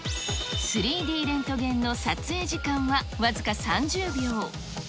３Ｄレントゲンの撮影時間は僅か３０秒。